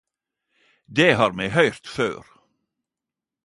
Det har me høyrt før.